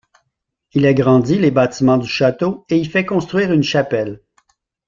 Il agrandit les bâtiments du château et y fait construire une chapelle.